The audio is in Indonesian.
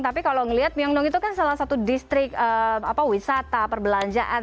tapi kalau ngelihat myongdong itu kan salah satu distrik wisata perbelanjaan